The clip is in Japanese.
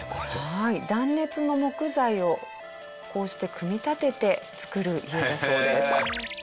断熱の木材をこうして組み立てて造る家だそうです。